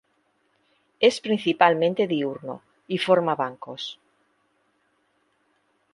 Es principalmente diurno y forma bancos